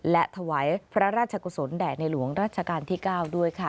และถวายพระราชกุศลแด่ในหลวงรัชกาลที่๙ด้วยค่ะ